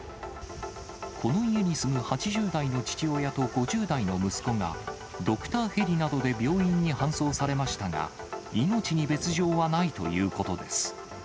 この家に住む８０代の父親と５０代の息子が、ドクターヘリなどで病院に搬送されましたが、命に別状はないということです。